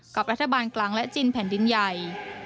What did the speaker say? กับรัฐบาลกลางและจีนแผ่นดินใหญ่